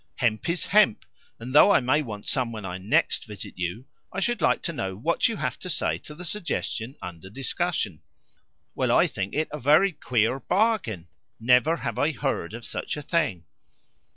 Hemp is hemp, and though I may want some when I NEXT visit you, I should like to know what you have to say to the suggestion under discussion." "Well, I think it a very queer bargain. Never have I heard of such a thing."